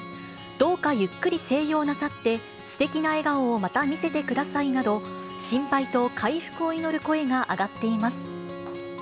どうかゆっくり静養なさってすてきな笑顔をまた見せてくださいなど、心配と回復を祈る声が上がっています。